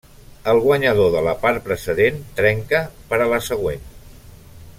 El guanyador de la part precedent trenca per a la següent.